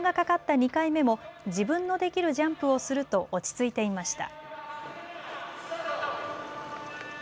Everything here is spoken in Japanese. ２回目も自分のできるジャンプをすると落ち着いていました。